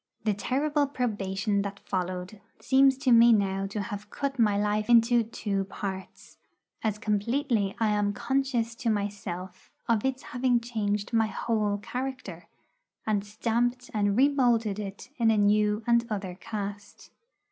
The terrible probation that followed seems to me now to have cut my life into two parts, as completely as I am conscious to myself of its having changed my whole character, and stamped and remoulded it in a new and other cast.